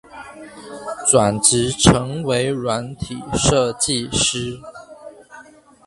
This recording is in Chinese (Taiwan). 轉職成為軟體設計師